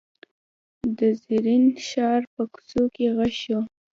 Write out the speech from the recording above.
د زرین ښار په کوڅو کې غږ شو.